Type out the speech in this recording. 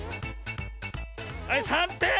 はい３てん！